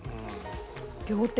仰天！